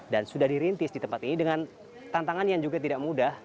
dan sudah dirintis di tempat ini dengan tantangan yang juga tidak mudah